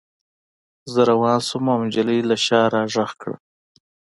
زه روان شوم او نجلۍ له شا را غږ کړ